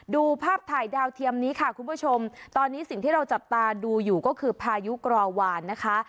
ดูภาพถ่ายดาวเทียมนี้ค่ะคุณผู้ชมตอนนี้สิ่งที่เราจับตาดูอยู่ก็คือพายุกรอวานนะคะ